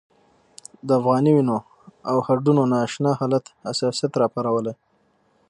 د افغاني وینو او هډونو نا اشنا حالت حساسیت راپارولی.